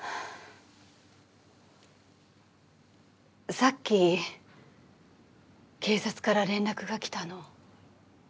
さっき警察から連絡が来たの。